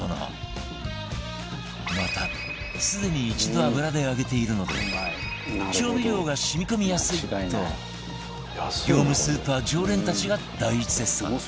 またすでに一度油で揚げているので調味料が染み込みやすいと業務スーパー常連たちが大絶賛